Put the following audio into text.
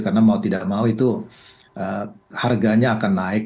karena mau tidak mau itu harganya akan naik